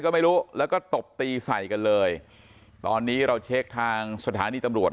ก็ไม่รู้แล้วก็ตบตีใส่กันเลยตอนนี้เราเช็คทางสถานีตำรวจ